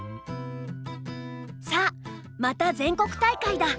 さあまた全国大会だ。